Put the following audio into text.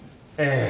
ええ。